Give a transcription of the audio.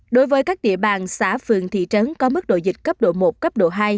đối với các địa bàn xã phường thị trấn có mức độ dịch cấp độ một cấp độ hai